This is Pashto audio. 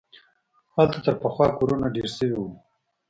هلته تر پخوا کورونه ډېر سوي وو.